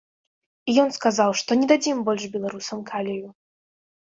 І ён сказаў, што не дадзім больш беларусам калію!